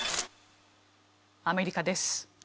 アメリカです。